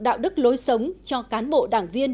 đạo đức lối sống cho cán bộ đảng viên